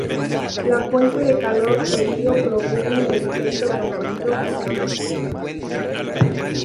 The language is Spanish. La fuente de calor de Ío proviene del efecto conocido como calentamiento por marea.